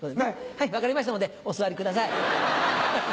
はい分かりましたのでお座りください。